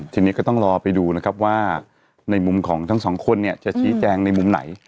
ทีนี้ก็ต้องรอไปดูนะครับว่าในมุมของทั้งสองคนเนี่ยจะชี้แจงในมุมไหน